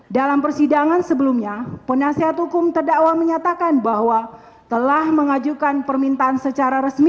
dalam persidangan sebelumnya penasihat hukum terdakwa menyatakan bahwa telah mengajukan permintaan secara resmi